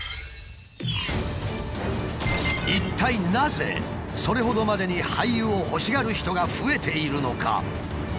一体なぜそれほどまでに廃油を欲しがる人が増えているのか？